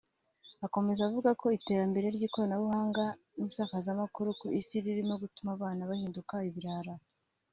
Akomeza avuga ko iterambere ry’ikoranabuhanga n’isakazamakuru ku isi ririmo gutuma abana bahinduka ibirara